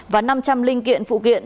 và năm trăm linh linh kiện phụ kiện